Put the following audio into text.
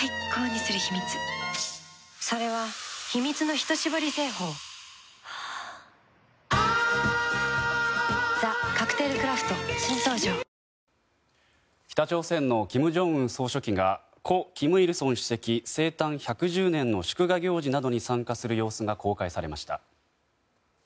懸念されていた核実験や北朝鮮の金正恩総書記が故・金日成主席生誕１１０年の祝賀行事などに参加する様子が公開されました。